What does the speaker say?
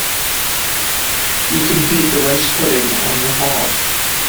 You can heat the rice pudding on the hob